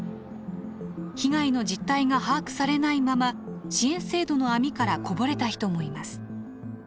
被害の実態が把握されないまま支援制度の網からこぼれた人もいます。